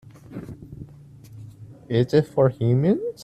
Is it for humans?